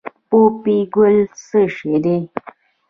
پوپی ګل څه شی دی؟